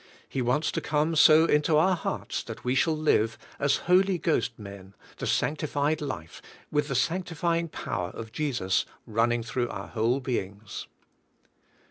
He wants to come so into our hearts that we shall live, as Holy Ghost men, the sancti fied life, with the sanctifying power of Jesus run ning through our whole beings.